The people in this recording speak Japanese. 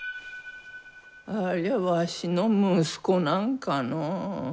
ありゃわしの息子なんかのう？